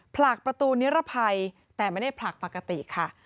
ผลักประตูนิรภัยแต่ไม่ได้ผลักปกติค่ะ